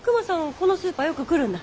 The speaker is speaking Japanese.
このスーパーよく来るんだ。